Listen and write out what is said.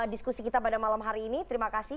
diskusi kita pada malam hari ini terima kasih